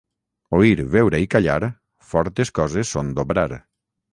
Oir, veure i callar, fortes coses són d'obrar.